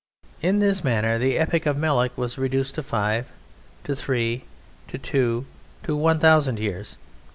In this manner the epoch of Melek was reduced to five, to three, to two, to one thousand years.